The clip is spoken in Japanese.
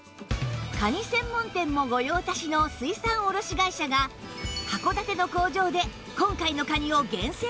カニ専門店も御用達の水産卸会社が函館の工場で今回のカニを厳選しています